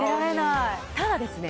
顔にただですね